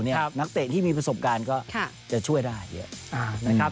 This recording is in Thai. นักเตะที่มีประสบการณ์ก็จะช่วยได้เยอะนะครับ